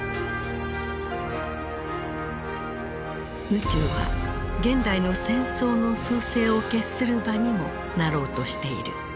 宇宙は現代の戦争の趨勢を決する場にもなろうとしている。